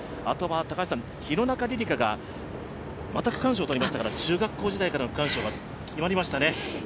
あとは高橋さん、廣中璃梨佳がまた区間賞を取りましたから、中学校時代からの区間賞がつながりましたね。